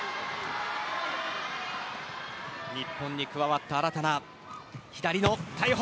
日本に加わった新たな左の大砲。